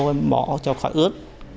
em bỏ cho khỏi ướt